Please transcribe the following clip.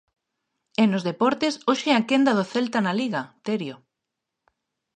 E nos deportes, hoxe é a quenda do Celta na Liga, Terio.